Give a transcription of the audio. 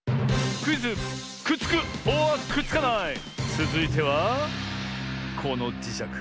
つづいてはこのじしゃく。